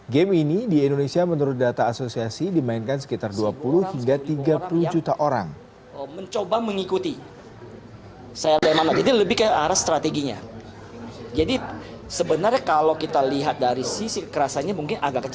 game ini di indonesia menurut data asosiasi dimainkan sekitar dua puluh hingga tiga puluh juta orang